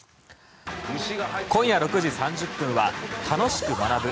今夜６時３０分は「楽しく学ぶ！